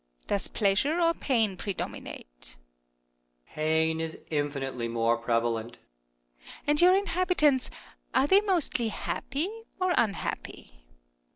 Earth. Does pleasure or pain predominate ? Moon. Pain is infinitely more prevalent. Earth. And your inhabitants, are they mostly happy or unhappy